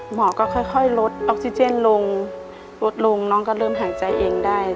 หมอก็ค่อยลดออกซิเจนลงลดลงน้องก็เริ่มหายใจเองได้